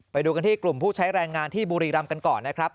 ไปดูกันที่กลุ่มผู้ใช้แรงงานที่บุรีรำกันก่อนนะครับ